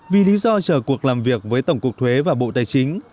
vì lý do chờ cuộc làm việc với tổng cục thuế và bộ tài chính